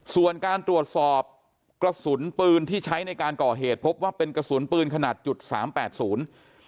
ส่วนการตรวจสอบกระสุนปืนที่ใช้ในการก่อเหตุพบว่าเป็นกระสุนปืนขนาดจุดสามแปดศูนย์